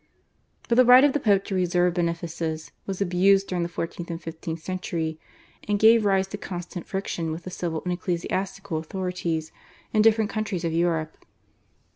But the right of the Pope to reserve benefices was abused during the fourteenth and fifteenth centuries, and gave rise to constant friction with the civil and ecclesiastical authorities in different countries of Europe.